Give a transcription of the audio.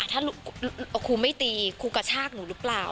ถ้าครูไม่ตีครูกระชากหนูหรือเปล่า